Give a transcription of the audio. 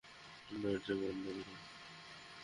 দরজা বন্ধ কর!